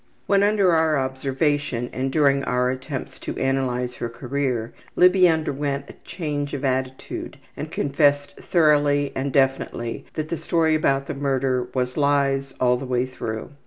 When under our observation, and during our attempt to analyze her career, Libby underwent a change of attitude and confessed thoroughly and definitely that the story about the murder was lies all the way through.